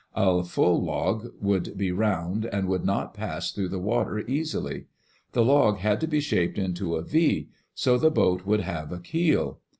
A full log would be round, and would not pass through the water easily. The log had to be shaped into a V, so the boat would have a keel.